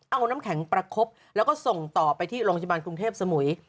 เอาน้ำแข่งประคบแล้วก็ส่งต่อไปที่โรงฉมาคทีเทพสมุย